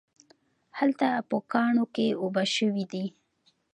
هلته په کاڼو کې اوبه شوي دي